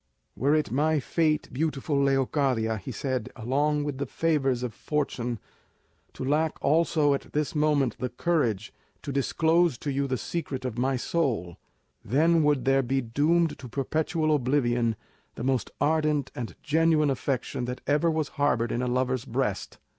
"Were it my fate, beautiful Leocadia," he said, "along with the favours of fortune to lack also at this moment the courage to disclose to you the secret of my soul, then would there be doomed to perpetual oblivion the most ardent and genuine affection that ever was harboured in a lover's breast.